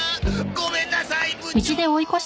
ごめんなさい部長！